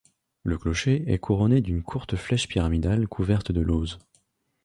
Le clocher est couronné d'une courte flèche pyramidale couverte de lauzes.